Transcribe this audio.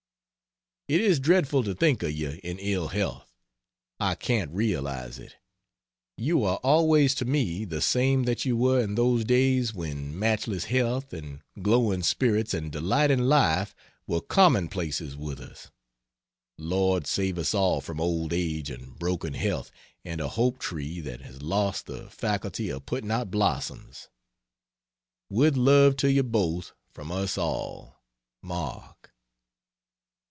It is dreadful to think of you in ill health I can't realize it; you are always to me the same that you were in those days when matchless health, and glowing spirits and delight in life were commonplaces with us. Lord save us all from old age and broken health and a hope tree that has lost the faculty of putting out blossoms. With love to you both from us all. MARK.